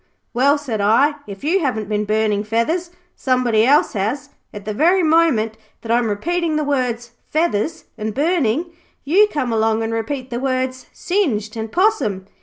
"Well," said I, "if you haven't been burning feathers, somebody else has." At the very moment that I'm repeating the words "feathers" and "burning" you come along and repeat the words "singed" and "possum".